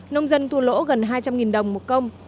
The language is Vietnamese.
nông dân thua lỗ gần hai trăm linh đồng một công